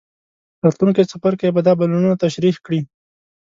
راتلونکی څپرکی به دا بدلونونه تشریح کړي.